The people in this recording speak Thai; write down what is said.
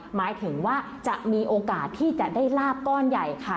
หมายถึงว่าจะมีโอกาสที่จะได้ลาบก้อนใหญ่ค่ะ